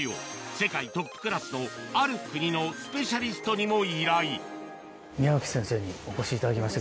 世界トップクラスのある国のスペシャリストにも依頼宮脇先生にお越しいただきました。